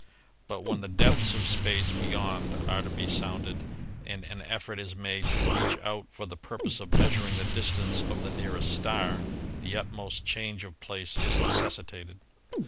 But when the depths of space beyond are to be sounded and an effort is made to reach out for the purpose of measur ing the distance of the nearest star the utmost change of place is necessitated.